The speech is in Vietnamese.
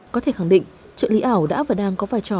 có thể khẳng định trợ lý ảo đã và đang có vai trò